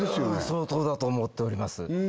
相当だと思っております